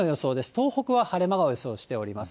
東北は晴れ間を予想しております。